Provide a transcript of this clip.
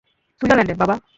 সুইজারল্যান্ডে, বাবা।